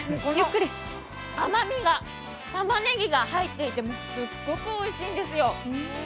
甘みが、たまねぎが入っていてすっごくおいしいんですよ。